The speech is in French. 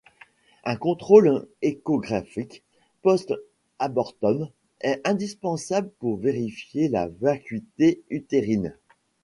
Un contrôle échographique post-abortum est indispensable pour vérifier la vacuité utérine.